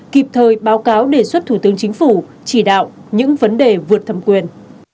kịp thời báo cáo đề xuất thủ tướng chính phủ chỉ đạo những vấn đề vượt thẩm quyền